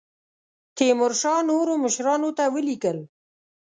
تیمورشاه نورو مشرانو ته ولیکل.